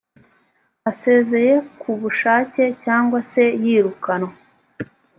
asezeye kubushake cyangwa se yirukanwe‽